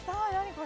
これ。